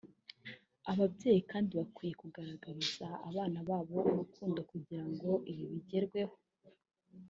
Ababyeyi kandi bakwiye kugaragariza abana babo urukundo kugira ngo ibi bigerweho